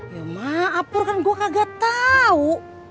ya maaf pur kan gue kagak tau